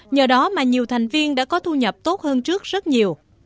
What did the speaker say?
nhờ đó mà nhiều thành viên đã có thu nhập tốt hơn trước rất nhiều